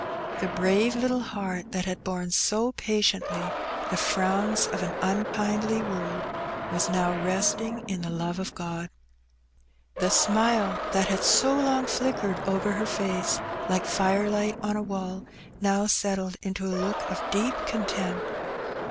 The brave little heart that had borne so patiently the frowns of an unkindly world, was now resting in the love of God. The smile that had so long flickered over her face like firelight on a wall, now settled into a look of deep content.